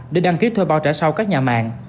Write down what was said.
để đăng ký thuê bao trả sau các nhà mạng